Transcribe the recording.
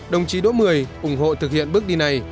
đồng chí đỗ mười ủng hộ thực hiện bước đi này